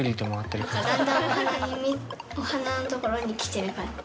だんだんお花のところに来てる感じ。